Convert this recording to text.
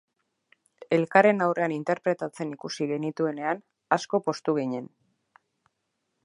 Elkarren aurrean interpretatzen ikusi genituenean, asko poztu ginen.